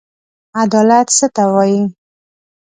عدالت څه ته وايي؟